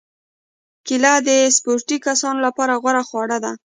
کېله د سپورتي کسانو لپاره غوره خواړه ده.